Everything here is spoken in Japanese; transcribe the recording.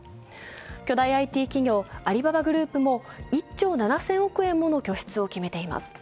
巨大ＩＴ企業アリババグループも１兆７０００億円もの拠出を決めています。